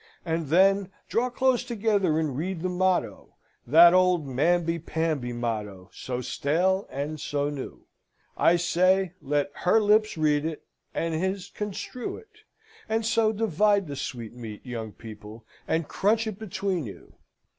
And then draw close together and read the motto (that old namby pamby motto, so stale and so new!) I say, let her lips read it, and his construe it; and so divide the sweetmeat, young people, and crunch it between you.